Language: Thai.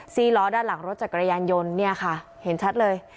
ล้อด้านหลังรถจักรยานยนต์เนี่ยค่ะเห็นชัดเลย